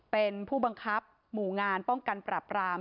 เป็นผู้บังคับหมู่งานป้องกันปรับราม